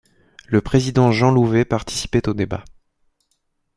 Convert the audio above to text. Le président Jean Louvet participait au débat.